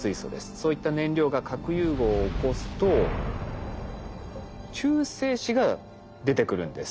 そういった燃料が核融合を起こすと中性子が出てくるんです。